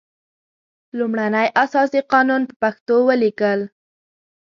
لومړنی اساسي قانون په پښتو ولیکل.